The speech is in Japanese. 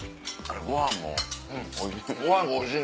ご飯もおいしい。